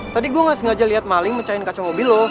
tadi gue gak sengaja lihat maling mecahin kaca mobil loh